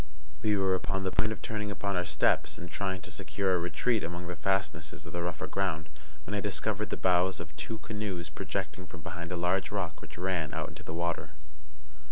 We were upon the point of turning upon our steps, and trying to secure a retreat among the fastnesses of the rougher ground, when I discovered the bows of two canoes projecting from behind a large rock which ran out into the water.